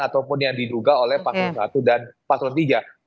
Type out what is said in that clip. ataupun yang diduga oleh presiden